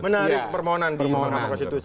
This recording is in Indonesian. menarik permohonan berupa mahkamah konstitusi